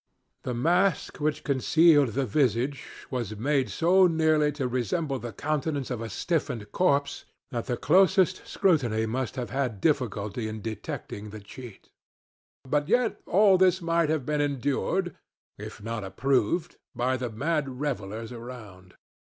The mask which concealed the visage was made so nearly to resemble the countenance of a stiffened corpse that the closest scrutiny must have had difficulty in detecting the cheat. And yet all this might have been endured, if not approved, by the mad revellers around.